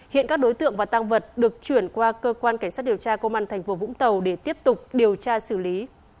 hiện các đối tượng và tăng vật được chuyển qua cơ quan cảnh sát điều tra công an tp vũng tàu để tiếp tục điều tra xử lý